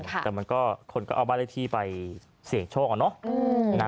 แต่มันก็คนก็เอาบ้านแรงที่ไปเสี่ยงโชคก่อนหน้า